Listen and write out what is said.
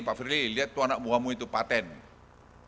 pak firly lihat itu anak buahmu itu patent